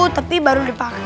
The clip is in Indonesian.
tapi baru dipakai